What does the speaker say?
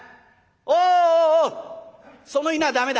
おおおその犬は駄目だ。